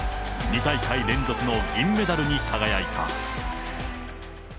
２大会連続の銀メダルに輝いた。